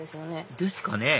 ですかね？